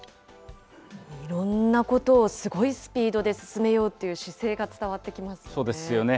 いろんなことを、すごいスピードで進めようっていう姿勢が伝そうですよね。